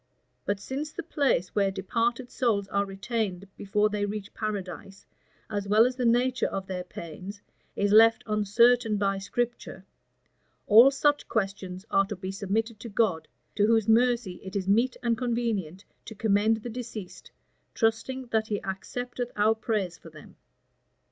But since the place where departed souls are retained before they reach paradise, as well as the nature of their pains, is left uncertain by Scripture, all such questions are to be submitted to God, to whose mercy it is meet and convenient to commend the deceased, trusting that he accepteth our prayers for them."